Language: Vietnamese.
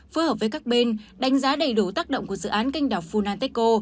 phối hợp với các bên đánh giá đầy đủ tác động của dự án canh đào phunanteco